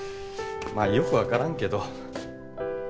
まあよく分からんけど。